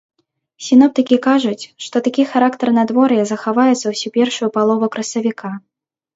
Сіноптыкі кажуць, што такі характар надвор'я захаваецца ўсю першую палову красавіка.